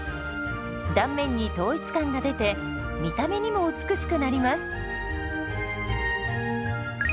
断面に統一感が出て見た目にも美しくなります。